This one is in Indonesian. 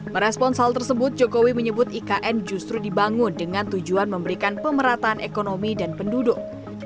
merespons hal tersebut jokowi menyebut ikn justru dibangun dengan tujuan memberikan pemerataan ekonomi dan penduduk